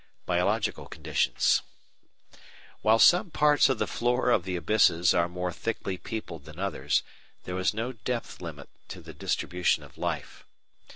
Biological Conditions While some parts of the floor of the abysses are more thickly peopled than others, there is no depth limit to the distribution of life.